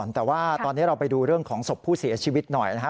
แต่ว่าตอนนี้เราไปดูเรื่องของศพผู้เสียชีวิตหน่อยนะครับ